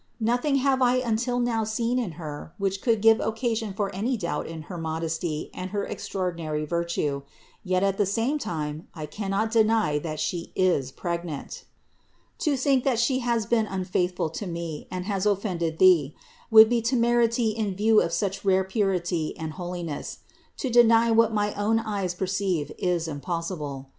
Nothing have I until now seen in Her which could give occasion for any doubt in her modesty and her extraordinary virtue; yet at the same time I cannot deny that She is pregnant. To think that She has been unfaithful to me, and has offended Thee, would be temerity in view of such rare purity and holi ness : to deny what my own eyes perceive is impossible.